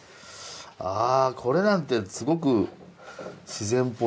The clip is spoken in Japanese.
あこれなんてすごく自然っぽいな。